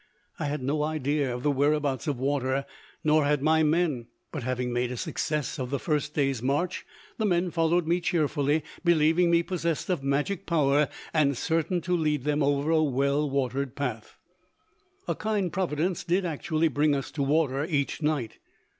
I had no idea of the whereabouts of water, nor had my men; but, having made a success of the first day's march, the men followed me cheerfully, believing me possessed of magic power and certain to lead them over a well watered path. A kind providence did actually bring us to water each night.